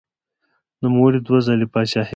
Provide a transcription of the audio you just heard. نوموړي دوه ځلې پاچاهي کړې ده.